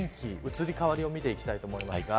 移り変わりを見ていきたいと思います。